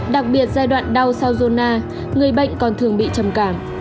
đặc biệt giai đoạn đau sau zona người bệnh còn thường bị trầm cảm